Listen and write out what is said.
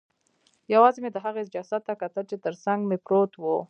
یوازې مې د هغې جسد ته کتل چې ترڅنګ مې پروت و